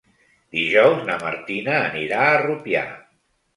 Dijous na Martina anirà a Rupià.